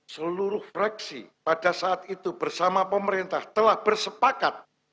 seluruh fraksi pada saat itu bersama pemerintah telah bersepakat